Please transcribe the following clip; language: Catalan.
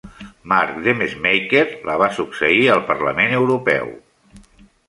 Mark Demesmaeker la va succeir al Parlament Europeu.